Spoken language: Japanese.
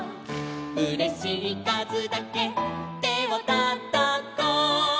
「うれしいかずだけてをたたこ」